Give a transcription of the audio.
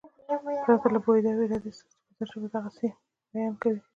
پرته له پوهېدو او ارادې ستاسې د بدن ژبه د غسې بیان کوي.